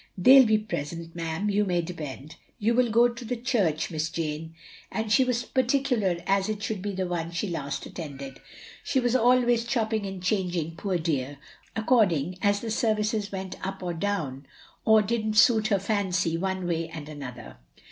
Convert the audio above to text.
They '11 be present, ma'am, you may depend. You will go to the church Miss Jane ; and she was particular as it should be the one she last attended. She was always chopping and changing, poor dear, according as the services went up or down — or didn't suit her fancy one way and another.